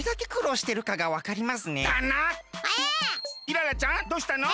イララちゃんどうしたの？